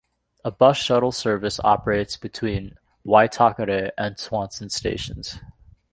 A bus shuttle service operates between Waitakere and Swanson stations.